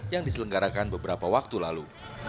yang diselenggarakan beberapa waktu lalu